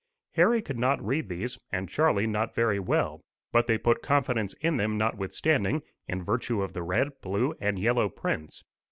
Harry could not read these, and Charlie not very well, but they put confidence in them notwithstanding, in virtue of the red, blue, and yellow prints.